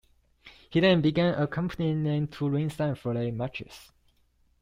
He then began accompanying them to ringside for their matches.